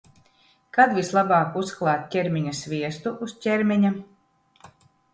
Kad vislabāk uzklāt ķermeņa sviestu uz ķermeņa?